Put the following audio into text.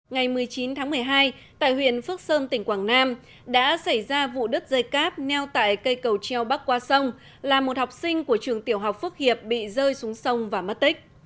ngày một mươi chín tháng một mươi hai tại huyện phước sơn tỉnh quảng nam đã xảy ra vụ đứt dây cáp neo tại cây cầu treo bắc qua sông là một học sinh của trường tiểu học phước hiệp bị rơi xuống sông và mất tích